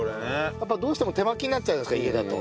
やっぱどうしても手巻きになっちゃうじゃないですか家だと。